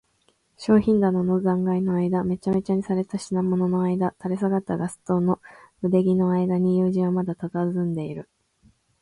商品棚の残骸のあいだ、めちゃめちゃにされた品物のあいだ、垂れ下がったガス燈の腕木のあいだに、友人はまだたたずんでいる。